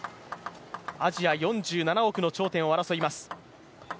アジア４７億の頂点を争います。